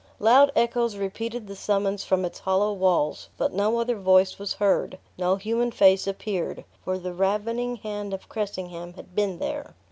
Loud echoes repeated the summons from its hollow walls; but no other voice was heard, no human face appeared; for the ravening hand of Cressingham had been there!